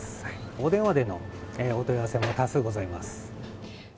お電話でのお問い合わせも多数ございます。